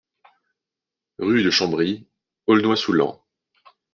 Rue de Chambry, Aulnois-sous-Laon